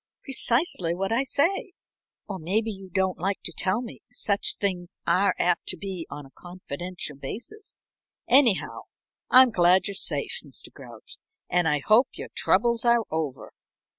"Precisely what I say or maybe you don't like to tell me such things are apt to be on a confidential basis. Anyhow, I'm glad you're safe, Mr. Grouch, and I hope your troubles are over."